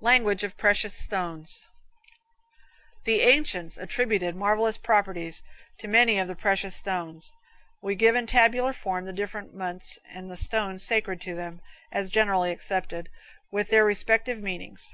LANGUAGE OF PRECIOUS STONES. The ancients attributed marvelous properties to many of the precious stones. We give in tabular form the different months and the stones sacred to them, as generally accepted, with their respective meanings.